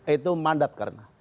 itu mandat karena